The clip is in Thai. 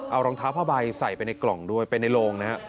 เอารองเท้าผ้าใบใส่ไปในกล่องด้วยไปในโรงนะครับ